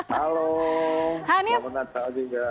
halo selamat natal juga